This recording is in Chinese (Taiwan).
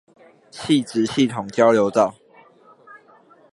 汐止系統交流道